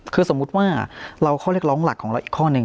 คือสมมุติว่าเราข้อเรียกร้องหลักของเราอีกข้อหนึ่ง